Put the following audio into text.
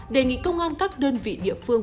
đề nghị công an các đơn vị địa phương